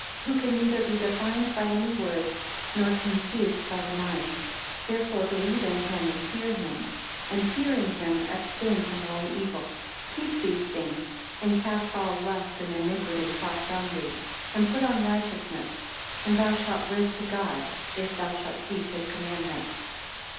3 Who can neither be defined by any words, nor conceived by the mind. 4 Therefore believe in him, and fear him; and fearing him abstain from all evil. 5 Keep these things, and cast all lust and iniquity far from thee, and put on righteousness, and thou shalt live to God, if thou shalt keep his commandment.